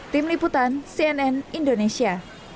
tim liputan cnn indonesia